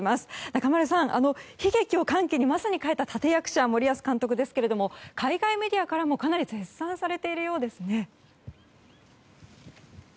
中丸さん、悲劇を歓喜にまさに変えた立役者森保監督ですが海外メディアからも絶賛されているようですね。